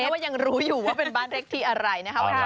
เอาแน่ว่ายังรู้อยู่ว่าเป็นบ้านเล็กที่อะไรนะครับ